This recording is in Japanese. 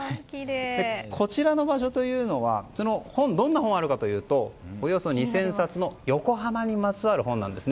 こちらの場所というのはどんな本があるかというとおよそ２０００冊の横浜にまつわる本です。